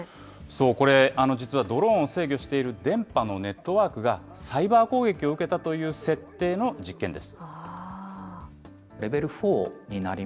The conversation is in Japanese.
これ、ドローンを制御している電波のネットワークがサイバー攻撃を受けたという設定の実験です。